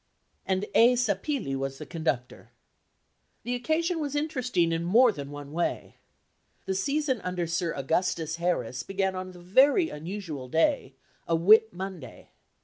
and A. Seppilli was the conductor. The occasion was interesting in more than one way. The season under Sir Augustus Harris began on the very unusual day a Whit Monday.